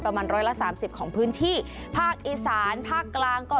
ประมาณร้อยละสามสิบของพื้นที่ภาคอีสานภาคกลางก็